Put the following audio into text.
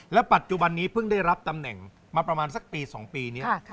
ปัจจุบันนี้เพิ่งได้รับตำแหน่งมาประมาณสักปี๒ปีนี้